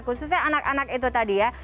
khususnya anak anak itu tadi ya